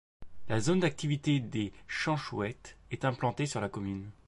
La zone d'activités des Champs Chouette est implantée sur la commune.